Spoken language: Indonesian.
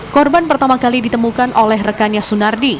korban pertama kali ditemukan oleh rekannya sunardi